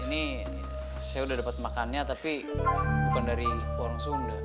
ini saya udah dapat makannya tapi bukan dari uang sunda